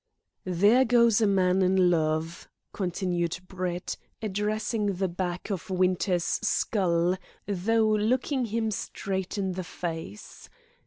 "There goes a man in love," continued Brett, addressing the back of Winter's skull, though looking him straight in the face.